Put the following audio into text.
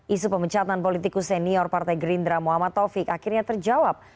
isu pemecatan politikus senior partai gerindra muhammad taufik akhirnya terjawab